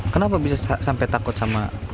kenapa bisa sampai takut sama